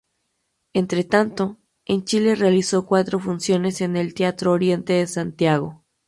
Entre tanto, en Chile realizó cuatro funciones en el Teatro Oriente de Santiago.